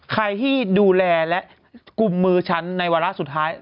ใครที่ดูแลและกลุ่มมือฉันในวาระสุดท้าย